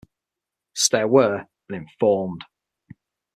Stay aware and informed.